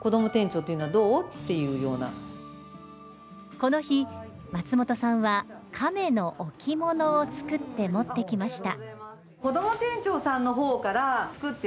この日松本さんは亀の置物を作って持ってきました